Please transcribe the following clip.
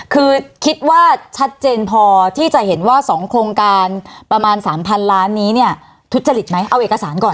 คือคิดว่าชัดเจนพอที่จะเห็นว่า๒โครงการประมาณ๓๐๐ล้านนี้เนี่ยทุจริตไหมเอาเอกสารก่อน